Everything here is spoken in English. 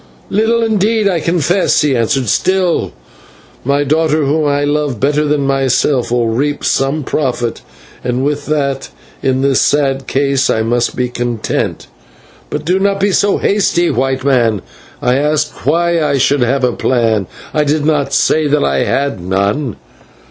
"Little indeed, I confess," he answered. "Still, my daughter, whom I love better than myself, will reap some profit, and with that, in this sad case, I must be content. But, do not be so hasty, white man. I asked why I should have a plan? I did not say that I had none."